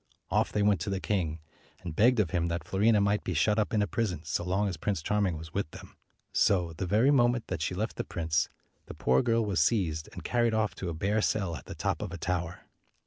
Off they went to the king, and begged of him that Fiorina might be shut up in a prison so long as Prince Charming was with them. So, the very moment that she left the prince, the poor girl was seized and carried off to a bare cell at the top of a tower.